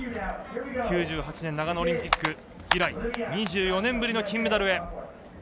９８年長野オリンピック以来２４年ぶりの金メダルへ。